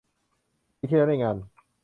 ปีที่แล้วในงาน